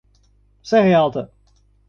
Serra Alta